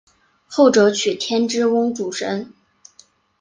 后者娶天之瓮主神。